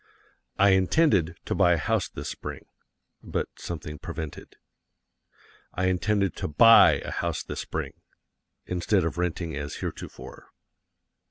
I INTENDED to buy a house this Spring (but something prevented). I intended to BUY a house this Spring (instead of renting as heretofore).